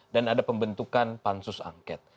dan ada pembentukan pansus anket